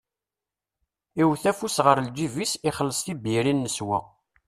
Iwwet afus-is ɣer lǧib-is, ixelles tibyirin neswa.